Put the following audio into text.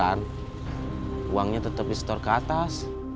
dan uangnya tetep di setor ke atas